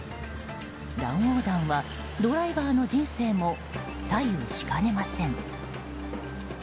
乱横断はドライバーの人生も左右しかねません。